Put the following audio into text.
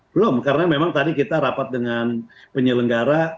belum karena memang tadi kita rapat dengan penyelenggara